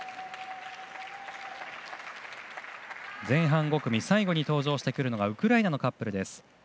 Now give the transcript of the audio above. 前半５組最後に登場してくるのがウクライナのカップルです。